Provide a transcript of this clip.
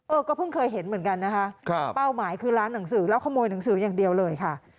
ก็เพิ่งเคยเห็นเหมือนกันนะคะเป้าหมายคือร้านหนังสือแล้วขโมยหนังสืออย่างเดียวเลยค่ะ